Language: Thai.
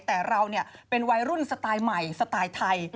แต่เราเป็นวัยรุ่นสไตล์ใหม่สไตล์ไทย